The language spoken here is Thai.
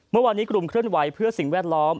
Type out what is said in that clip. เมื่อวานนี้กลุ่มเคลื่อนไหวเพื่อสิ่งแวดล้อม